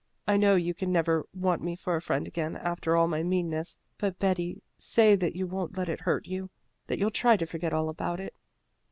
I know you can never want me for a friend again, after all my meanness; but Betty, say that you won't let it hurt you that you'll try to forget all about it."